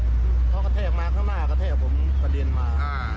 เพราะกระแทกมาข้างหน้ากระแทกผมกระเด็นมา